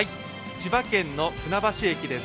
千葉県の船橋駅です。